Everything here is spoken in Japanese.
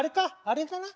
あれかな？